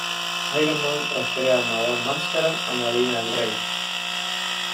Iron Man rastrea a Madame Máscara a Marina del Rey.